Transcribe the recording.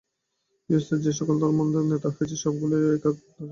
গৃহস্থগণ যে-সকল ধর্মান্দোলনের নেতা হয়েছেন, সবগুলিরই ঐ এক দশা হয়েছে।